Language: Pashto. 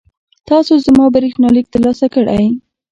تاسو زما برېښنالیک ترلاسه کړی؟